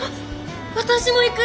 私も行く！